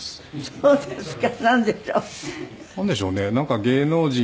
そうですか。